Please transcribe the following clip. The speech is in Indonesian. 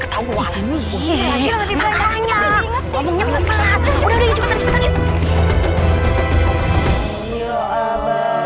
tuh tuh cuma ketawa